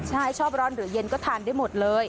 ใช่ชอบร้อนหรือเย็นก็ทานได้หมดเลย